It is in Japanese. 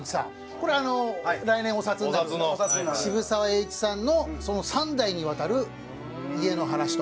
これあの来年お札になる渋沢栄一さんの三代にわたる家の話と。